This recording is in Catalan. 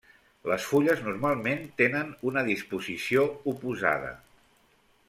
Les fulles normalment tenen una disposició oposada.